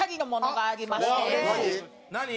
何？